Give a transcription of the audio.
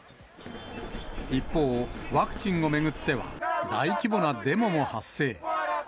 一方、ワクチンを巡っては、大規模なデモも発生。